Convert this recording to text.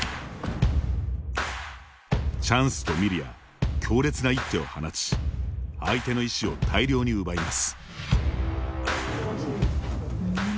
チャンスと見るや強烈な一手を放ち相手の石を大量に奪います。